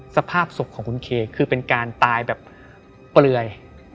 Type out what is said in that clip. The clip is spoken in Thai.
สภาพศพของคุณเคคือเป็นการตายแบบเปลือย